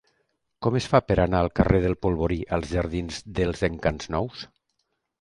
Com es fa per anar del carrer del Polvorí als jardins dels Encants Nous?